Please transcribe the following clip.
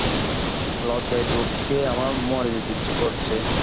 লজ্জায় দুঃখে আমার মরে যেতে ইচ্ছে করছে।